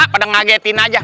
padahal ngagetin aja